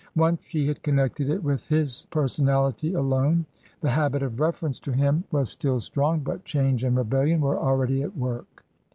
Once she had connected it with his personality alone ; the habit of reference to him was TRANSITION. 153 still strong, but change and rebellion were already at work.